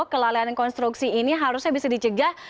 kelalaian konstruksi ini harusnya bisa dicegah